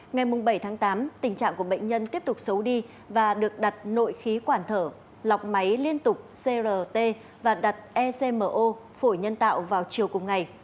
ngày bảy tháng tám tình trạng của bệnh nhân tiếp tục xấu đi và được đặt nội khí quản thở lọc máy liên tục crt và đặt ecmo phổi nhân tạo vào chiều cùng ngày